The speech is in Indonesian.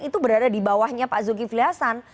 itu berada di bawahnya pak zulkifli hasan